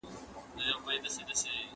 هغه څوک چي کار کوي پرمختګ کوي؟!